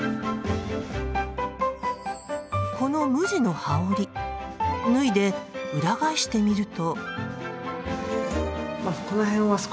この無地の羽織脱いで裏返してみると。